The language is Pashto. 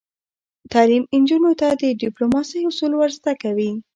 تعلیم نجونو ته د ډیپلوماسۍ اصول ور زده کوي.